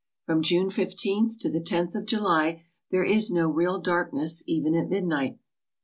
From June 1 5th to the zoth of July there is no real darkness, even at midnight.